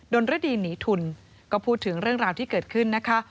นรดีหนีทุนก็พูดถึงเรื่องราวที่เกิดขึ้นนะคะ